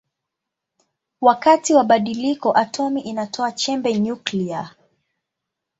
Wakati wa badiliko atomi inatoa chembe nyuklia.